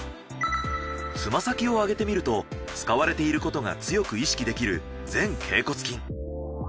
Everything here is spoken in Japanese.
つま先を上げてみると使われていることが強く意識できる前脛骨筋。